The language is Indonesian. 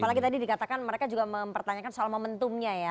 apalagi tadi dikatakan mereka juga mempertanyakan soal momentumnya ya